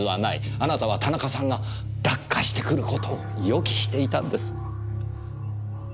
あなたは田中さんが落下してくる事を予期していたんです。